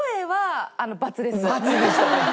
バツでしたか。